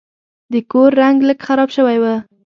د کور رنګ لږ خراب شوی و.